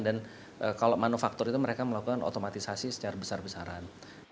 dan kalau manufaktur itu mereka melakukan otomatisasi secara besar besaran